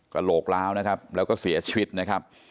โหลกล้าวนะครับแล้วก็เสียชีวิตนะครับ